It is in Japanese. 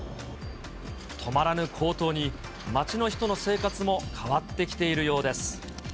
止まらぬ高騰に街の人の生活も変わってきているようです。